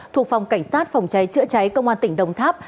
thuộc phòng cảnh sát phòng cháy chữa cháy công an tỉnh đồng tháp